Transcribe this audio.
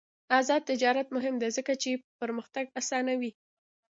آزاد تجارت مهم دی ځکه چې پرمختګ اسانوي.